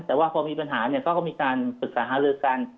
แต่ว่าพอมีปัญหาก็มีการศึกษาฮะลือกัน